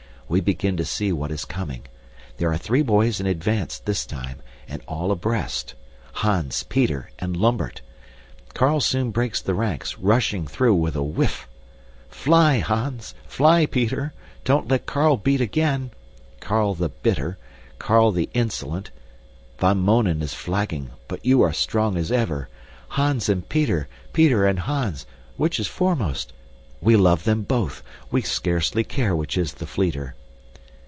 We begin to see what is coming. There are three boys in advance this time, and all abreast. Hans, Peter, and Lambert. Carl soon breaks the ranks, rushing through with a whiff! Fly, Hans; fly, Peter; don't let Carl beat again. Carl the bitter. Carl the insolent. Van Mounen is flagging, but you are strong as ever. Hans and Peter, Peter and Hans; which is foremost? We love them both. We scarcely care which is the fleeter.